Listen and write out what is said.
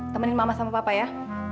temenin mama sama papa ya